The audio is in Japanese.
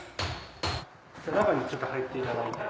中にちょっと入っていただいて。